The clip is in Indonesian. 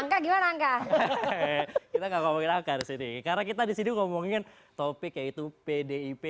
angka gimana angka hahahahahaalah ah breath karena kita disini ngomongin topik yaitu pdip